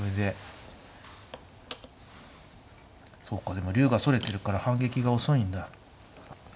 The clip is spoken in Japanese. そうかでも竜がそれてるから反撃が遅いんだ。